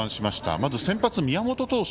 まず先発の宮本投手